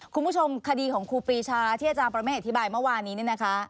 คุณผู้ชมคดีของครูปีชาที่อาจารย์ประเมฆอธิบายเมื่อวานนี้เนี่ยนะคะ